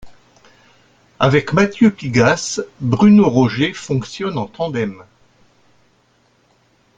Avec Matthieu Pigasse, Bruno Roger fonctionne en tandem.